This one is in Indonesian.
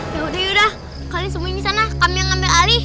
ya udah ya udah kalian sembunyi di sana kami yang ngambil ali